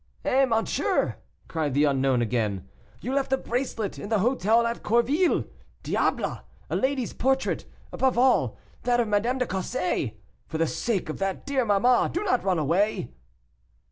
"Eh! monsieur," cried the unknown, again, "you left a bracelet in the hotel at Courville. Diable! a lady's portrait; above all, that of Madame de Cossé. For the sake of that dear mamma, do not run away."